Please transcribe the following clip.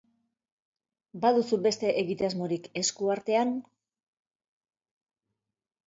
Baduzu beste egitasmorik esku artean?